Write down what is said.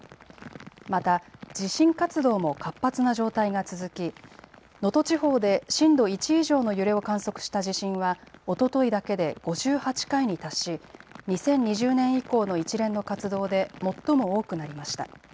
また地震活動も活発な状態が続き能登地方で震度１以上の揺れを観測した地震はおとといだけで５８回に達し２０２０年以降の一連の活動で最も多くなりました。